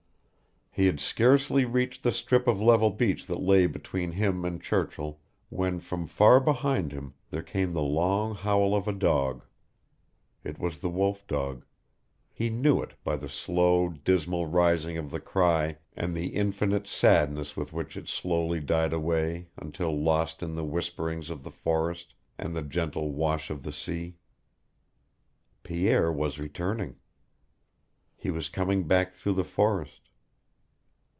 He had scarcely reached the strip of level beach that lay between him and Churchill when from far behind him there came the long howl of a dog. It was the wolf dog. He knew it by the slow, dismal rising of the cry and the infinite sadness with which it as slowly died away until lost in the whisperings of the forest and the gentle wash of the sea. Pierre was returning. He was coming back through the forest.